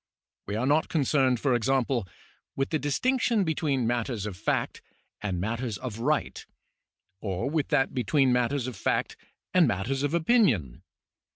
We are not concerned, for example, with the distinction between matters of fact and matters of rigid, or with that between matters of fact and matters of opinion.